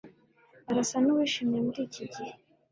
Arasa nuwishimye muriki gihe